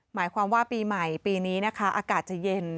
หมายความว่าปีใหม่ปีนี้นะคะอากาศจะเย็น